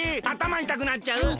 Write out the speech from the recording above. あたまいたくなっちゃう！